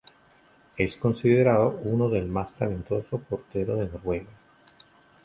Es considerado uno del más talentosos porteros de Noruega.